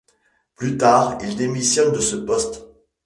Plus tard, il démissionne de ce poste.